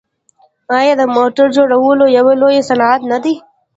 آیا د موټرو جوړول یو لوی صنعت نه دی؟